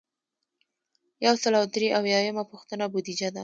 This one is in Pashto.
یو سل او درې اویایمه پوښتنه بودیجه ده.